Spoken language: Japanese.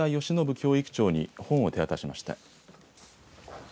教育長に本を手渡しました。